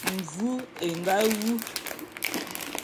Mvu é nga wu.